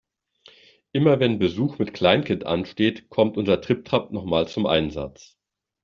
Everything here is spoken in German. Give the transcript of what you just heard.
Immer wenn Besuch mit Kleinkind ansteht, kommt unser Tripp-Trapp noch mal zum Einsatz.